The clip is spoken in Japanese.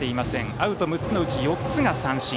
アウト６つのうち４つが三振。